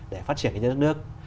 để phát triển cho nước nước